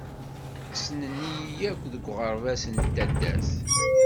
Ssnen-iyi akk deg uɣerbaz d taddart.